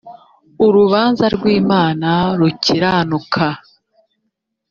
urubanza rw imana rukiranuka